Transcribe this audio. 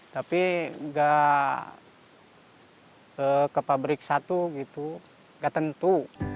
tapi gak ke pabrik satu gitu gak tentu